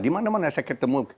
dimana mana saya ketemu